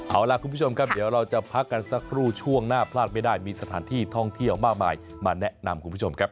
เอาล่ะคุณผู้ชมครับเดี๋ยวเราจะพักกันสักครู่ช่วงหน้าพลาดไม่ได้มีสถานที่ท่องเที่ยวมากมายมาแนะนำคุณผู้ชมครับ